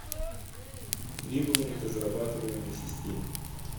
Требования к разрабатываемой системе